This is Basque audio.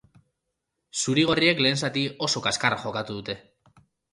Zuri-gorriek lehen zati oso kaskarra jokatu dute.